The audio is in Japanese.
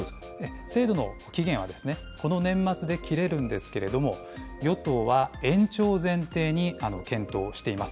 制度の期限はこの年末で切れるんですけれども、与党は延長を前提に検討しています。